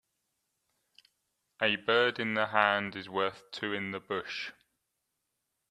A bird in the hand is worth two in the bush.